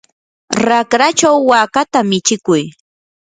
raqrachaw wakata michikuy.